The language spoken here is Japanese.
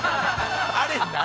あれ何？